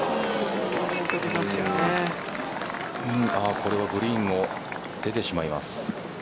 これはグリーンを出てしまいます。